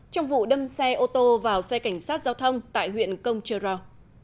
trong vụ đâm xe ô tô vào xe cảnh sát giao thông tại huyện công chơ rau